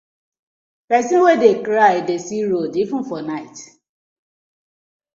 Pesin wey dey cry dey see road even for night.